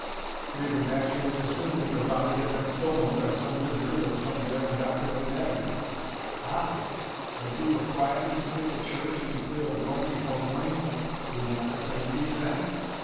"They would naturally assume that your body had been stolen by some wizard or some daring doctor of anatomy." "Ah! And if we were quietly to quit the church and be clear of Rome before morning would not the same be said?"